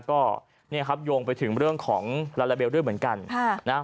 ก็เนี่ยครับโยงไปถึงเรื่องของลาลาเบลด้วยเหมือนกัน